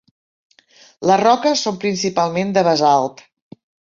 Les roques són principalment de basalt.